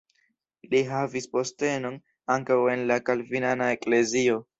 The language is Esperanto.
Li havis postenon ankaŭ en la kalvinana eklezio.